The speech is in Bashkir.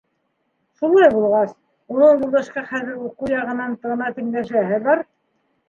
Шулай булғас, уның Юлдашҡа хәҙер уҡыу яғынан ғына тиңләшәһе бар.